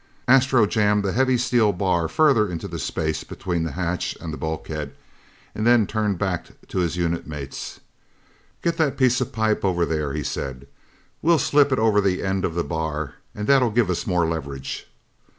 Astro jammed the heavy steel bar farther into the space between the hatch and the bulkhead, and then turned back to his unit mates. "Get that piece of pipe over there," he said. "We'll slip it over the end of the bar and that'll give us more leverage."